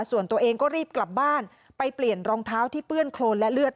ส่วนตัวเองก็รีบกลับบ้านไปเปลี่ยนรองเท้าที่เปื้อนโครนและเลือด